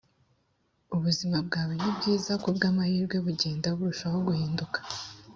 ubuzima bwawe ntibwiza kubwamahirwe, bugenda burushaho guhinduka.